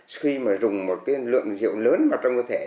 khi mà dùng một cái lượng rượu lớn vào trong cơ thể